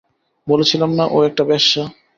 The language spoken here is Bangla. বলেছিলাম না, ও একটা বেশ্যা!